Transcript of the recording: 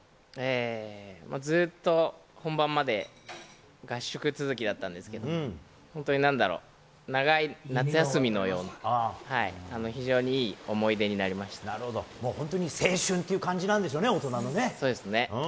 ずっと本番まで、合宿続きだったんですけど、長い夏休みのような、非常にいい思い出になりま青春っていう感じなんでしょうね、大人のね。